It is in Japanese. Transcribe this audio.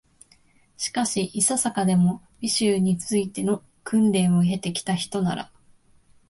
しかし、いささかでも、美醜に就いての訓練を経て来たひとなら、